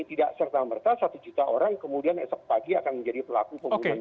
tidak serta merta satu juta orang kemudian esok pagi akan menjadi pelaku pembunuhan